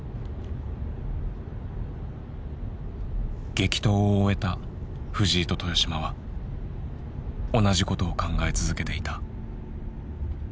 激闘を終えた藤井と豊島は同じことを考え続けていた。